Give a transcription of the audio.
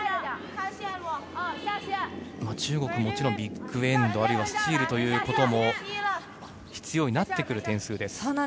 中国ももちろんビッグエンドあるいはスチールということも必要になってくる点数です。